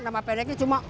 nama pendeknya cuma uu